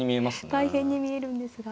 大変に見えるんですが。